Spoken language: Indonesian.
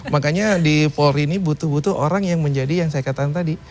makanya di polri ini butuh butuh orang yang menjadi yang saya katakan tadi